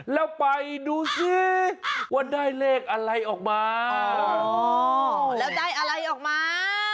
แล้วไปดูสิว่าได้เลขอะไรออกมาแล้วได้อะไรออกมา